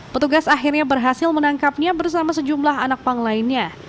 petugas akhirnya berhasil menangkapnya bersama sejumlah anak pang lainnya